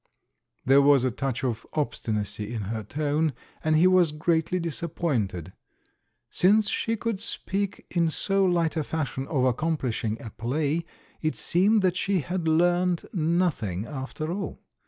There was a touch of obstinacy in her tone, and he was greatly disappointed. Since she could speak in so light a fashion of accomplishing a play, it seemed that she had learnt nothing after all.